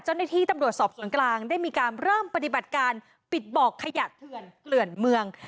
เจ้าหน้าที่ตำรวจสอบสวนกลางได้มีการเริ่มปฏิบัติการปิดบอกขยะเถื่อนเกลื่อนเมือง